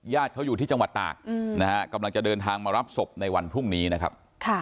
เขาอยู่ที่จังหวัดตากนะฮะกำลังจะเดินทางมารับศพในวันพรุ่งนี้นะครับ